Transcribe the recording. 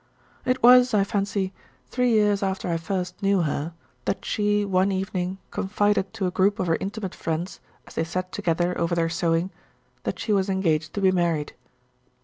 It was, I fancy, three years after I first knew her that she one evening confided to a group of her intimate friends, as they sat together over their sewing, that she was engaged to be married.